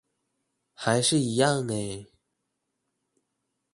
還是一樣欸